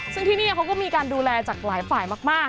ซึ่งที่นี่เขาก็มีการดูแลจากหลายฝ่ายมาก